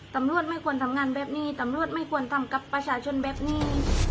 ตำรวจไม่ควรทำงานแบบนี้ตำรวจไม่ควรทำกับประชาชนแบบนี้